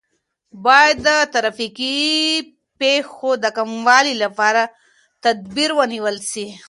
باید د ترافیکي پیښو د کموالي لپاره تدابیر ونیول سي.